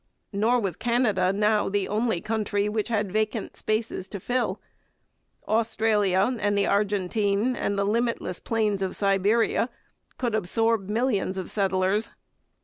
Nor was Canada now the only country which had vacant spaces to fill. Australia and the Argentine and the limitless plains of Siberia could absorb millions of settlers.